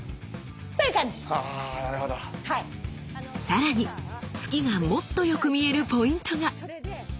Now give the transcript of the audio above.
さらに突きがもっと良く見えるポイントが。